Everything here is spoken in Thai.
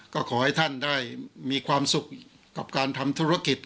ก็ขอให้ท่านได้มีความสุขกับการทำธุรกิจ